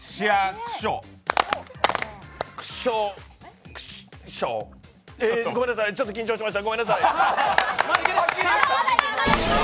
くしょくしょ、ごめんなさいちょっと緊張しました。